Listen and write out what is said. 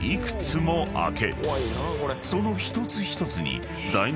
［その一つ一つに］